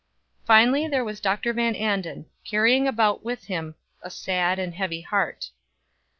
Finally, there was Dr. Van Anden, carrying about with him a sad and heavy heart.